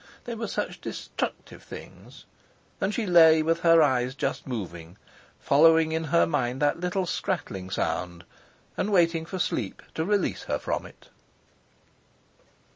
They were such destructive things! And she lay, with her eyes just moving, following in her mind that little scrattling sound, and waiting for sleep to release her from it.